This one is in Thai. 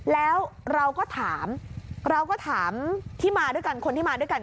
แล้วเราก็ถามเราก็ถามที่มาด้วยกันคนที่มาด้วยกัน